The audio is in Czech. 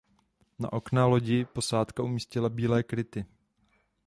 Na okna lodi posádka umístila bílé kryty.